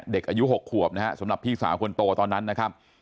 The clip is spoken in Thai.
เด็กอายุ๖ขวบนะฮะสำหรับพี่สาวคนโตตอนนั้นนะครับ